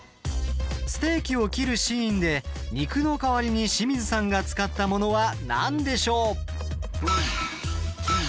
ステーキを切るシーンで肉の代わりに清水さんが使ったものは何でしょう？